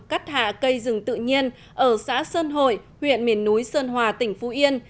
cắt hạ cây rừng tự nhiên ở xã sơn hội huyện miền núi sơn hòa tỉnh phú yên